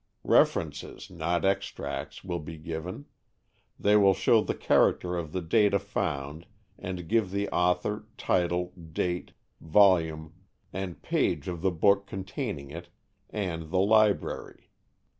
References, not extracts, will be given; they will show the character of the data found and give the author, title, date, volume and page of the book containing it and the library.